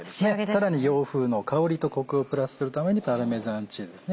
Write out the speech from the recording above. さらに洋風の香りとコクをプラスするためにパルメザンチーズですね